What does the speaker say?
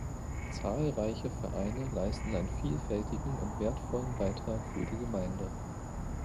Zahlreiche Vereine leisten einen vielfältigen und wertvollen Beitrag für die Gemeinde.